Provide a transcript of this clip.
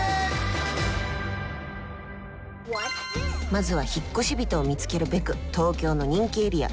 まずは引っ越し人を見つけるべく東京の人気エリア